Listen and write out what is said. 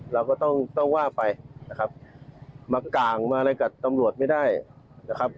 เราก็ต้องต้องว่าไปนะครับมาก่างมาอะไรกับตำรวจไม่ได้นะครับ